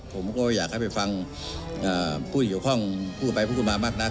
ผมก็อยากให้ไปฟังอ่าพูดเกี่ยวข้องพูดไปพูดมามากนะ